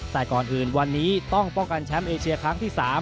แต่ก่อนอื่นวันนี้ต้องป้องกันแชมป์เอเชียครั้งที่๓